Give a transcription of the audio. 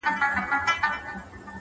فکر بدلېږي نو لوری بدلېږي؛